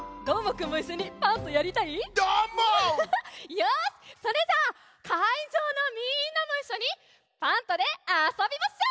よしそれじゃあかいじょうのみんなもいっしょに「パント！」であそびましょう！